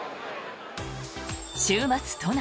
週末、都内。